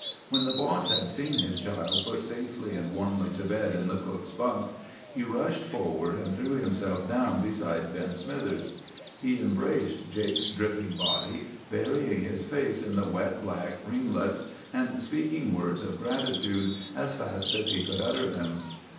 "When the boss had seen his child put safely and warmly to bed in the cook's bunk, he rushed forward and threw himself down beside Ben Smithers. He embraced Jake's dripping body, burying his face in the wet black ringlets, and speaking words of gratitude as fast as he could utter them.